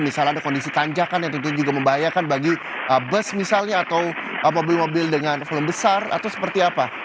misalnya ada kondisi tanjakan yang tentu juga membahayakan bagi bus misalnya atau mobil mobil dengan volume besar atau seperti apa